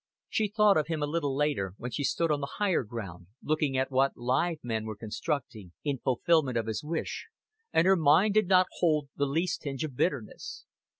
She thought of him a little later, when she stood on the higher ground looking at what live men were constructing in fulfilment of his wish, and her mind did not hold the least tinge of bitterness.